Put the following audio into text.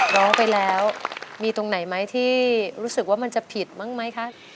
ร้องไปแล้วมีตรงไหนไหมที่รู้สึกว่ามันจะผิดบ้างไหมคะ